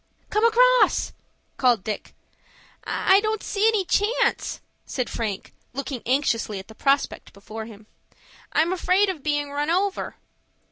"Come across!" called out Dick. "I don't see any chance," said Frank, looking anxiously at the prospect before him. "I'm afraid of being run over."